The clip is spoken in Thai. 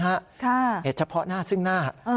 เฉพาะหน้าซึ่งหน้า